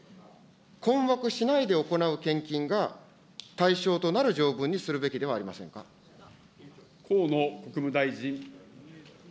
困惑しないで行う献金が、対象となる条文にするべきではありませ河野国務大臣。